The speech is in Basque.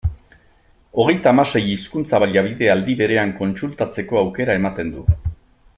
Hogeita hamasei hizkuntza-baliabide aldi berean kontsultatzeko aukera ematen du.